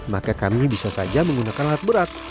maka kami bisa saja menggunakan alat berat